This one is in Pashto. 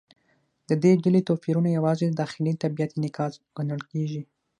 د دې ډلې توپیرونه یوازې د داخلي طبیعت انعکاس ګڼل کېږي.